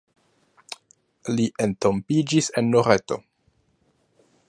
Li entombiĝis en Loreto.